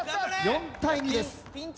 ４対２です。